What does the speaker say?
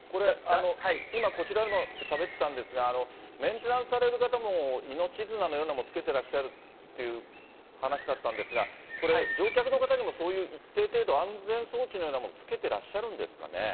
今、こちらでもしゃべってたんですが、メンテナンスされる方も命綱のようなものつけてらっしゃるという話だったんですが、これ乗客の方にもそういう一定程度、安全装置のようなものをつけてらっしゃるんですかね。